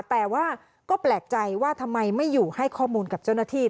แต่ว่าก็แปลกใจว่าทำไมไม่อยู่ให้ข้อมูลกับเจ้าหน้าที่